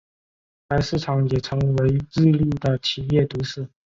该市场也成为日立的的企业都市。